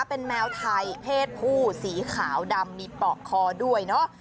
เป็นแมวไทยเพศผู้สีขาวดำมีปอกคอด้วยเนอะ